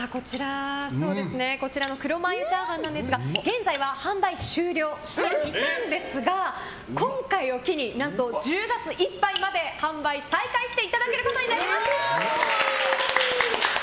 こちらの黒マー油炒飯なんですが現在は販売終了していたんですが今回を機に何と１０月いっぱいまで販売再開していただけることになりました。